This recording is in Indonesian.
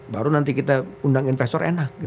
baru nanti kita undang investor enak